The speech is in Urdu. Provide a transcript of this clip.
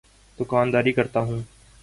دوکانداری کرتا ہوں۔